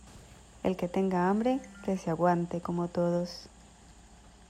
el que tenga hambre, que se aguante como todos.